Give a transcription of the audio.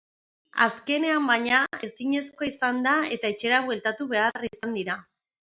Azkenean, baina, ezinezkoa izan da eta etxera bueltatu behar izan dira.